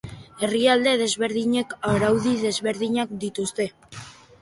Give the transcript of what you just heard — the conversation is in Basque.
Herrialde desberdinek araudi desberdinak dituzte.